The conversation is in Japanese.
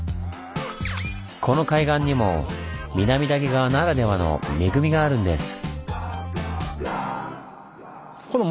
この海岸にも南岳側ならではの恵みがあるんです。